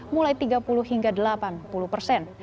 mulai tiga puluh hingga delapan puluh persen